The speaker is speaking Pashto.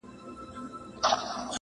پروت په سترګو کي مي رنګ رنګ د نسو دی-